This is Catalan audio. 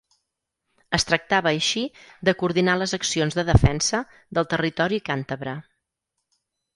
Es tractava així de coordinar les accions de defensa del territori càntabre.